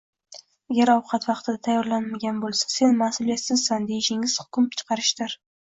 Agar ovqat vaqtida tayyorlanmagan bo‘lsa, “Sen mas’uliyatsizsan” deyishingiz hukm chiqarishdir.